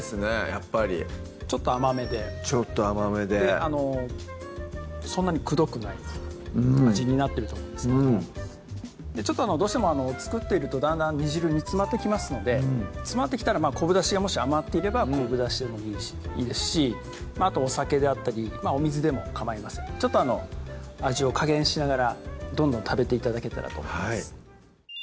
やっぱりちょっと甘めでちょっと甘めでそんなにくどくない味になってると思いますどうしても作ってるとだんだん煮汁煮詰まってきますので詰まってきたら昆布だしがもし余っていれば昆布だしでもいいですしあとお酒であったりお水でもかまいませんちょっと味を加減しながらどんどん食べて頂けたらと思います